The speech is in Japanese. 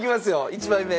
１枚目。